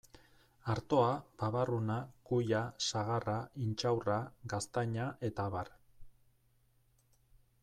Artoa, babarruna, kuia, sagarra, intxaurra, gaztaina eta abar.